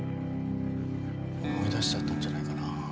思い出しちゃったんじゃないかな？